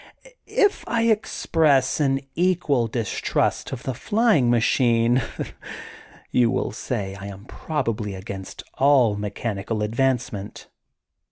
If I express an equal distrust of the flying machine, you will say I am probably against all mechanical advancement.